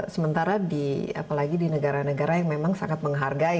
sementara di apalagi di negara negara yang memang sangat menghargai